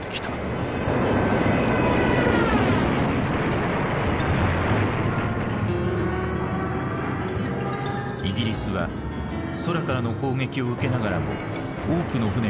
イギリスは空からの攻撃を受けながらも多くの船が帰還に成功。